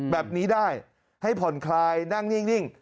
แบบนี้ได้ให้ผ่อนคลายนั่งนิ่ง